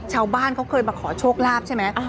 ชาวบ้านเขาเคยมาขอโชคลาภใช่ไหม